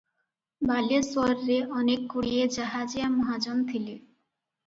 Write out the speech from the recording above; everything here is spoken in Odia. ବାଲେଶ୍ୱରରେ ଅନେକଗୁଡିଏ ଜାହାଜିଆ ମହାଜନ ଥିଲେ ।